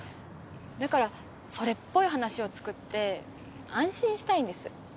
だからそれっぽい話をつくって安心したいんです。